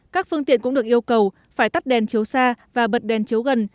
các phương tiện cũng được yêu cầu phải tắt đèn chiếu xa và bật đèn chiếu gần